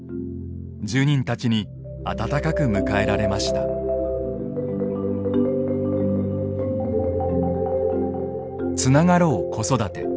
住人たちに温かく迎えられました「＃つながろう子育て」。